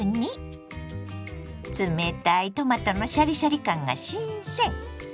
冷たいトマトのシャリシャリ感が新鮮！